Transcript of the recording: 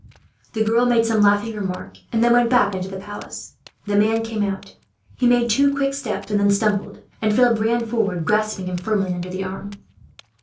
The girl made some laughing remark, and then went back into the palace. The man came out. He made two quick steps and then stumbled, and Philip ran forward, and grasped him firmly under the arm.